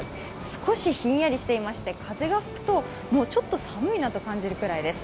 少しひんやりしていまして風が吹くとちょっと寒いなと感じるぐらいです。